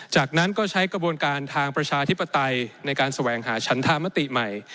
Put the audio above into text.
จากนั้นก็ใช้กระบวนการทางประชาธิปไตยในการแสวงหาชันธรรมติใหม่